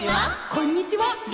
「こんにちは！」